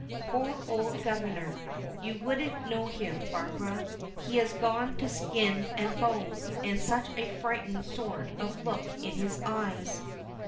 Poor old Governor! You wouldn't know him, Barbara. He has gone to skin and bone, and such a frightened sort of look in his eyes."